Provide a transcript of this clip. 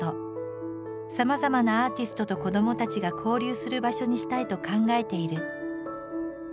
さまざまなアーティストと子どもたちが交流する場所にしたいと考えている。